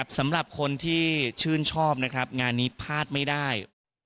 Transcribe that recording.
สำหรับคนที่ชื่นชอบนะครับงานนี้พลาดไม่ได้